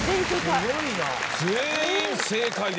全員正解。